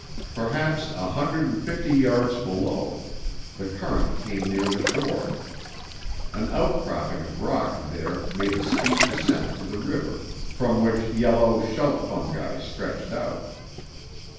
Perhaps a hundred and fifty yards below, the current came near the shore. An outcropping of rock there made a steep descent to the river, from which yellow shelf fungi stretched out.